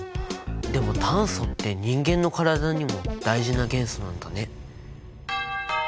でも炭素って人間の体にも大事な元素なんだね。